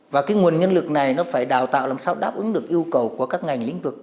và cái nguồn nhân lực này nó phải đào tạo làm sao đáp ứng được yêu cầu của các ngành lĩnh vực